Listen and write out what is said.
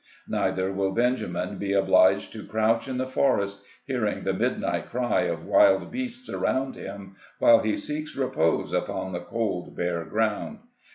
Neither will Benjamin be obliged to crouch in the forest, hearing the midnight cry of wild beasts around him, while he seeks repose upon the cold, bare ground.